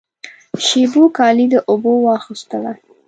شېبو کالی د اوبو واغوستله